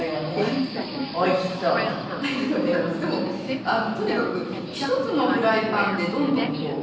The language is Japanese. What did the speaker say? でもとにかく１つのフライパンでどんどんこう。